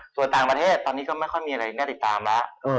ส่วนต่างประเทศตอนนี้ก็ไม่ค่อยมีอะไรน่าติดตามแล้ว